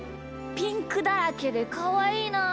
ピンクだらけでかわいいなあ。